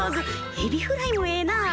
エビフライもええなあ。